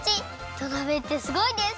土鍋ってすごいです！